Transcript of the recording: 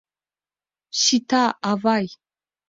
— Сита, авай.